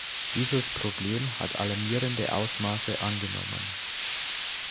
Dieses Problem hat alarmierende Ausmaße angenommen.